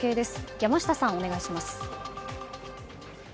山下さん、お願いします。